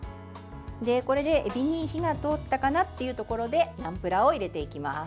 これで、エビに火が通ったかなというところでナムプラーを入れていきます。